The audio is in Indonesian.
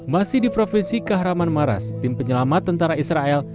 masih di provinsi kahraman maras tim penyelamat tentara israel